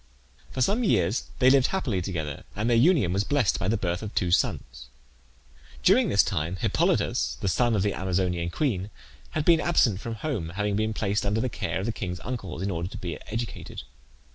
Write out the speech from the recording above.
For some years they lived happily together, and their union was blessed by the birth of two sons. During this time Hippolytus, the son of the Amazonian queen, had been absent from home, having been placed under the care of the king's uncles in order to be educated.